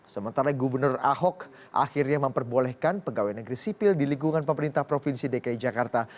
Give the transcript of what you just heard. sementara gubernur ahok akhirnya memperbolehkan pegawai negeri sipil di lingkungan pemerintah provinsi dki jakarta